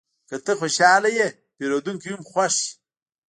که ته خوشحاله یې، پیرودونکی هم خوښ وي.